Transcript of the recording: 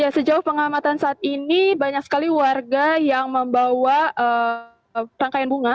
sejauh pengamatan saat ini banyak sekali warga yang membawa rangkaian bunga